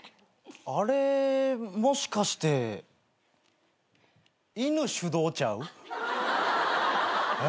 あれもしかして犬主導ちゃう？え？